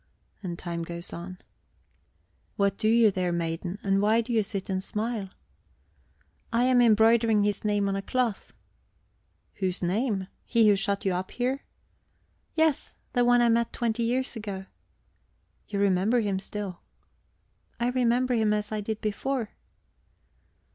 And time goes on. "What do you there, maiden? And why do you sit and smile?" "I am embroidering his name on a cloth." "Whose name? His who shut you up here?" "Yes, the one I met twenty years ago." "You remember him still?" "I remember him as I did before."